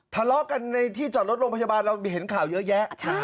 ทะเลาะกันในที่จอดรถโรงพยาบาลเราเห็นข่าวเยอะแยะ